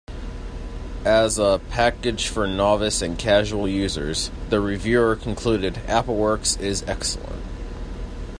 As a package for novice and casual users, the reviewer concluded, "Appleworks is excellent".